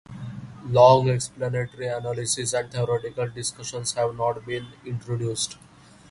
Long explanatory analysis and theoretical discussions have not been introduced.